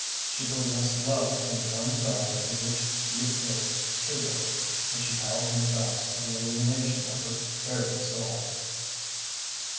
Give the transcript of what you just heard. She possessed love in the one guise in which he appealed to her, and she held him fast to the illumination of her very soul.